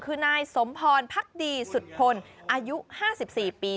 คือนายสมพรพักดีสุดพลอายุ๕๔ปี